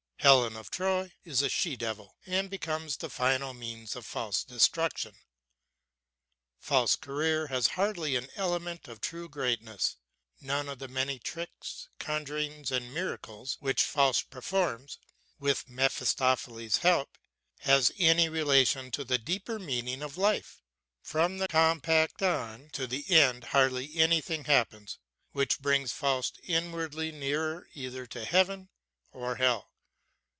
Helen of Troy is a she devil, and becomes the final means of Faust's destruction. Faust's career has hardly an element of true greatness. None of the many tricks, conjurings and miracles, which Faust performs with Mephistopheles' help, has any relation to the deeper meaning of life. From the compact on to the end hardly anything happens which brings Faust inwardly nearer either to heaven or hell.